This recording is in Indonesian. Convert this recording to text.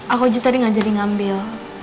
aku juga tadi gak jadi ngambil